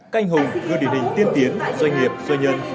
canh hùng điển hình tiên tiến doanh nghiệp doanh nhân